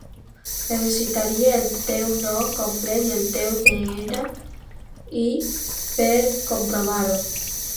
Necessitaria el teu nom complet i el teu de-ena-i per comprovar-ho.